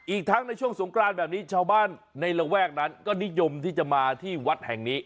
อีกทั้งในช่วงสงกรานแบบนี้ชาวบ้านในระแวกนั้นก็นิยมที่จะมาที่วัดแห่งนี้